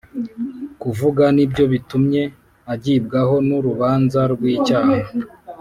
kuvuga ni byo bitumye agibwaho n urubanza rw icyaha